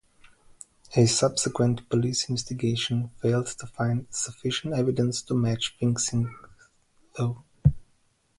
A subsequent police investigation failed to find sufficient evidence of match fixing though.